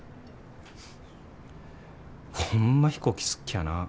ホンマ飛行機好っきゃなぁ。